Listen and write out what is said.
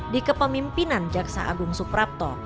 di kepemimpinan jaksa agung suprapto